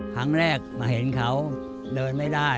ครั้งแรกมาเห็นเขาเดินไม่ได้